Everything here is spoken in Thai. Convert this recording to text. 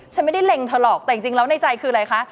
ฉันไม่ได้เล็งเธอหรอกแต่จริงแล้วในใจคืออะไรคะ